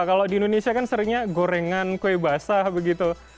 kalau di indonesia kan seringnya gorengan kue basah begitu